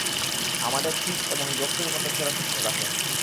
আমাদের থিস এবং জফরির মত সেরা শিক্ষক আছেন।